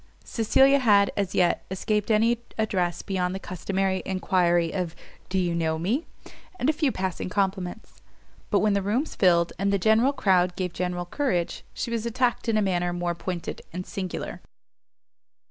Cecilia had, as yet, escaped any address beyond the customary enquiry of Do you know me? and a few passing compliments; but when the rooms filled, and the general crowd gave general courage, she was attacked in a manner more pointed and singular.